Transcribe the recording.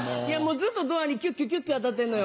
ずっとドアにキュッキュキュッキュ当たってんのよ。